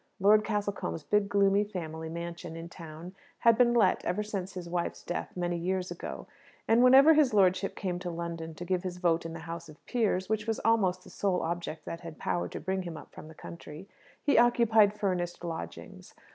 Lord Castlecombe's big, gloomy, family mansion in town had been let ever since his wife's death many years ago; and whenever his lordship came to London to give his vote in the House of Peers which was almost the sole object that had power to bring him up from the country he occupied furnished lodgings.